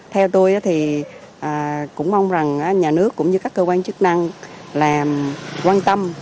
theo tôi thì cũng mong rằng nhà nước cũng như các cơ quan chức năng làm quan tâm